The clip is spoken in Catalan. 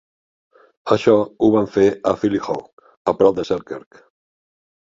Això ho van fer a Philliphaugh, a prop de Selkirk.